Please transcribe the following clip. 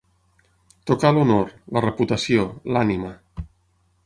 Tacar l'honor, la reputació, l'ànima.